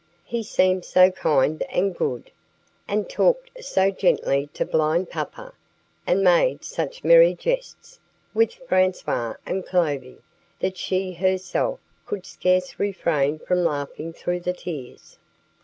He seemed so kind and good, and talked so gently to blind papa, and made such merry jests with Francois and Clovis that she herself could scarce refrain from laughing through her tears.